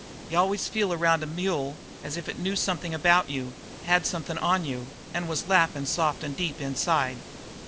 Y' always feel around a mule as if it knew somethin' about you had somethin' on you and was laughin' soft and deep inside.